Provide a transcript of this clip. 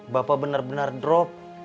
bapak bener bener drop